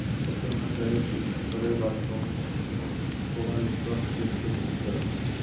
সপ্তাহ খানেক আগে পুলিশ সুপারের বাসভবনের সামনেও বোমার বিস্ফোরণ ঘটিয়েছিল দুর্বৃত্তরা।